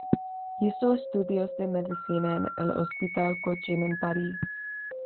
Hizo estudios de medicina en el Hospital Cochin, en París.